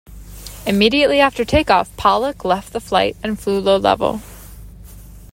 Immediately after takeoff, Pollock left the flight and flew low level.